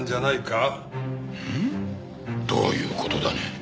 うん？どういう事だね？